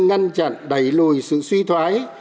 ngăn chặn đẩy lùi sự suy thoái